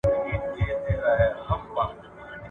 که د ښار دیوالونه رنګ سي، نو بدرنګه انځورونه نه پاته کیږي.